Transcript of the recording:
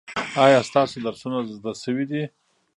ایا ستاسو درسونه زده شوي دي؟